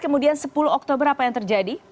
kemudian sepuluh oktober apa yang terjadi